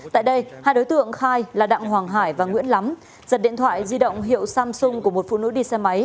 tại đây hai đối tượng khai là đặng hoàng hải và nguyễn lắm giật điện thoại di động hiệu samsung của một phụ nữ đi xe máy